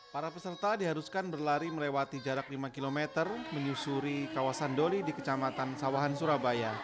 para peserta diharuskan berlari melewati jarak lima km menyusuri kawasan doli di kecamatan sawahan surabaya